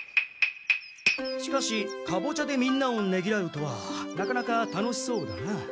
しかしカボチャでみんなをねぎらうとはなかなか楽しそうだな。